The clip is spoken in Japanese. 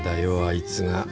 あいつが。